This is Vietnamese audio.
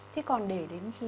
thì còn để đến khi